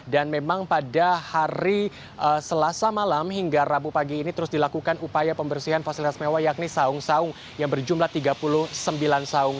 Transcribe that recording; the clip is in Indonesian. dan memang pada hari selasa malam hingga rabu pagi ini terus dilakukan upaya pembersihan fasilitas mewah yakni saung saung yang berjumlah tiga puluh sembilan saung